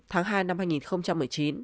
tháng hai năm hai nghìn một mươi chín